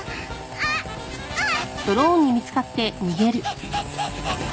あっああっ！